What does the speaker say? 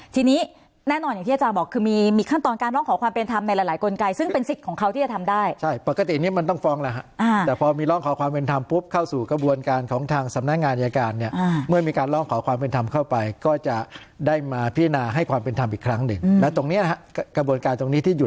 ทีนี้แน่นอนอย่างที่อาจารย์บอกคือมีขั้นตอนการร้องขอความเป็นธรรมในหลายกลไกซึ่งเป็นสิทธิ์ของเขาที่จะทำได้